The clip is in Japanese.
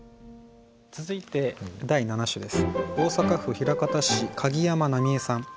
続いて第７首です。